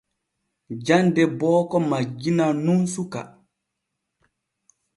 Jande booko majjinan nun suka.